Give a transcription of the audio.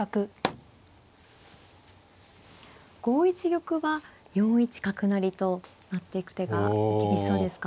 ５一玉は４一角成と成っていく手が厳しそうですか。